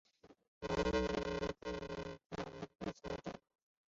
圆叶平灰藓为柳叶藓科平灰藓属下的一个种。